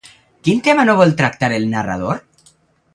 Quin tema no vol tractar el narrador?